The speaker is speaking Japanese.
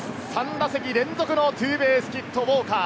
３打席連続のツーベースヒット、ウォーカー！